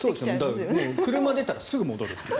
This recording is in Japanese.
車出たらすぐ戻るっていう。